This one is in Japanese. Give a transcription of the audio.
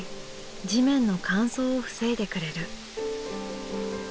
地面の乾燥を防いでくれる。